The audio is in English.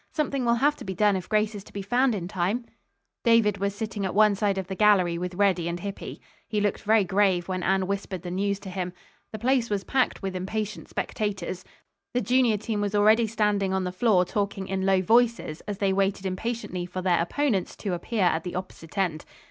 "Something will have to be done if Grace is to be found in time." David was sitting at one side of the gallery with Reddy and Hippy. He looked very grave when Anne whispered the news to him. The place was packed with impatient spectators. The junior team was already standing on the floor talking in low voices as they waited impatiently for their opponents to appear at the opposite end.